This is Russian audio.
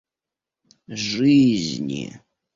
жизни